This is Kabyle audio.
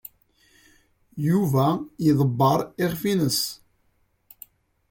Yuba iḍebber iɣef-nnes.